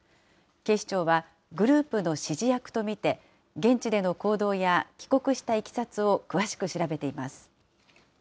警視庁はグループの指示役と見て、現地での行動や帰国したいきさつを詳しく調べています。